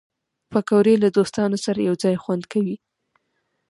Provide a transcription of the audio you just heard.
پکورې له دوستانو سره یو ځای خوند کوي